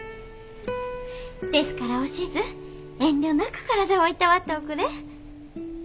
ですからおしづ遠慮なく体をいたわっておくれ。